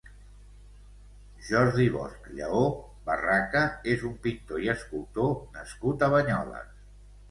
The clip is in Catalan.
Jordi Bosch Lleó, Barraca és un pintor i escultor nascut a Banyoles.